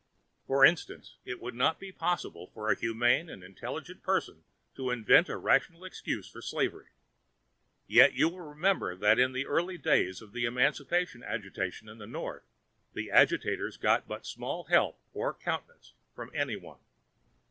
For instance. It would not be possible for a humane and intelligent person to invent a rational excuse for slavery; yet you will remember that in the early days of the emancipation agitation in the North the agitators got but small help or countenance from any one.